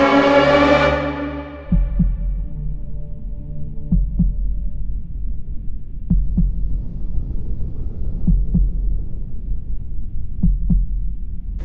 ร้อง